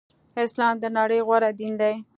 اسلام د نړی غوره دین دی.